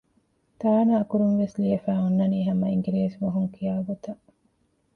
ތާނައަކުރުން ވެސް ލިޔެފައި އޮންނަނީ ހަމަ އިނގިރޭސިބަހުން ކިޔާ ގޮތަށް